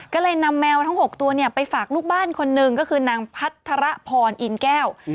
ก็เลยนำแมวทั้ง๖ตัวไปฝากลูกบ้านคนหนึ่งก็คือนางพัทรพรอินแก้ว